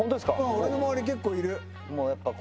俺の周り結構いる。